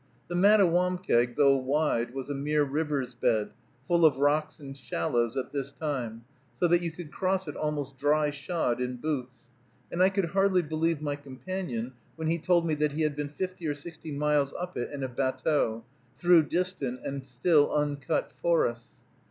The Mattawamkeag, though wide, was a mere river's bed, full of rocks and shallows at this time, so that you could cross it almost dry shod in boots; and I could hardly believe my companion, when he told me that he had been fifty or sixty miles up it in a batteau, through distant and still uncut forests.